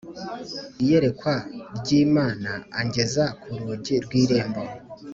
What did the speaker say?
iyerekwa ry Imana angeza ku rugi rw irembo